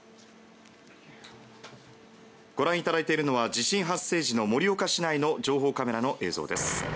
ご覧いただいているのは地震発生時の盛岡市内の情報カメラの映像です。